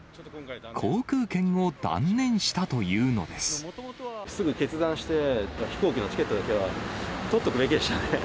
航空券を断念したというのですぐ決断して、飛行機のチケットだけは取っとくべきでしたね。